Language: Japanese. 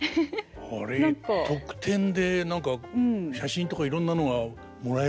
あれ特典で何か写真とかいろんなのがもらえるんじゃないですか。